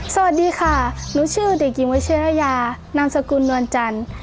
สวัสดีค่ะหนูชื่อเด็กหญิงวัชิระยานามสกุลนวลจันทร์